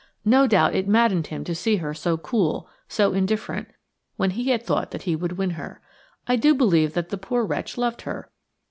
No doubt it maddened him to see her so cool, so indifferent, when he had thought that he could win her. I do believe that the poor wretch loved her.